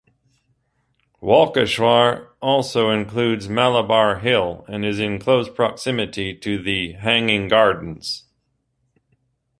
Walkeshwar also includes Malabar Hill, and is in close proximity to the Hanging Gardens.